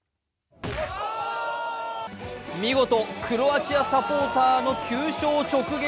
見事、クロアチアサポーターの急所を直撃。